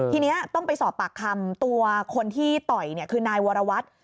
ทีนี้ต้องไปสอบปากคำตัวคนที่ต่อยคือนายวรวัตร